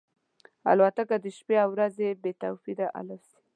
الوتکه د شپې او ورځې بې توپیره الوزي.